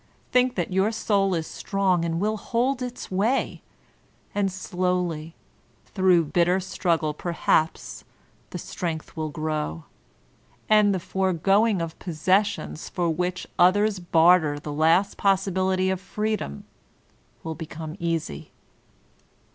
Think that your soul is strong and will hold its way; and slowly, through bitter struggle perhaps, the strength will grow. And the foregoing of possessions for which others barter the last possibility of freedom, will become easy.